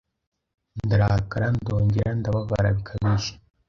Ndarakara ndongera ndababara bikabije